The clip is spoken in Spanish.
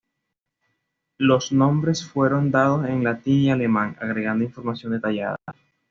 Los nombres fueron dados en latín y alemán, agregando información detallada.